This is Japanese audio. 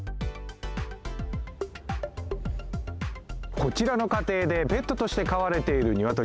こちらの家庭でペットとして飼われている鶏。